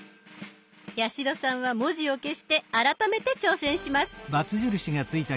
八代さんは文字を消して改めて挑戦します。